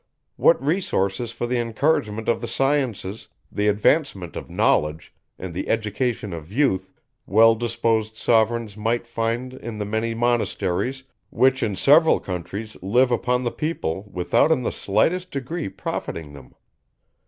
What resources for the encouragement of the sciences, the advancement of knowledge, and the education of youth, well disposed sovereigns might find in the many monasteries, which in several countries live upon the people without in the slightest degree profiting them!